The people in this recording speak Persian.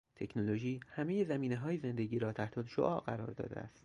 تکنولوژی همهی زمینههای زندگی را تحتالشعاع قرار داده است.